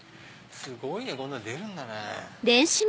すごいねこんなの出るんだね。